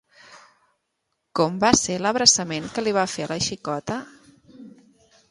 Com va ser l'abraçament que li va fer a la xicota?